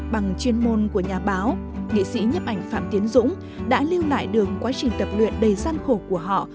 bằng chuyên môn của nhà báo nghệ sĩ nhấp ảnh phạm tiến dũng đã lưu lại đường quá trình tập luyện đầy gian khổ của họ